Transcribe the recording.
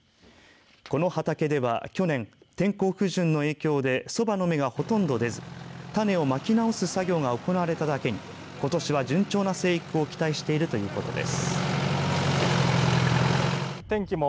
この畑では、去年天候不順の影響でそばの芽がほとんど出ず種をまき直す作業が行われただけにことしは順調な生育を期待しているということです。